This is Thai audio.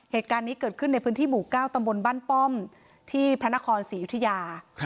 เหตุการณ์นี้เกิดขึ้นในพื้นที่หมู่๙ตำบลบ้านป้อมที่พระนครศรีอยุธยา